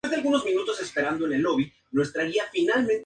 Recibió una licenciatura en comercio y una maestría en artes.